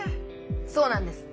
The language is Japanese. そうなんです。